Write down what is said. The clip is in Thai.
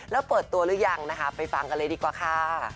แล้วเปิดตัวหรือยังนะคะไปฟังกันเลยดีกว่าค่ะ